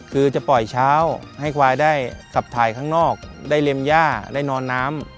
คือจะปล่อยเช้าให้ควายได้ขับถ่ายข้างนอกได้เล็มย่าได้นอนน้ำ